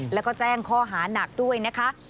แล้วก็แจ้งข้อหานักด้วยนะคะ